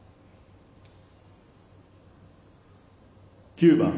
９番